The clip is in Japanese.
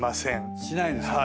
しないですか。